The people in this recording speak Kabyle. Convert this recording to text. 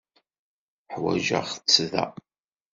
Ḥwajeɣ-tt da.